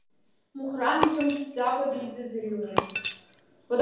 Мухран ҿымҭӡакәа дизыӡырҩуан.